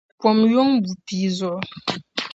Pom yuŋ bu pia zuɣu.